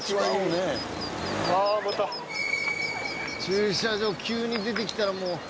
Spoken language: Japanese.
駐車場急に出てきたらもう。